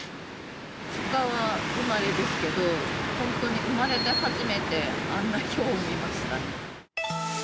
市川生まれですけど、本当に生まれて初めてあんなひょうを見ました。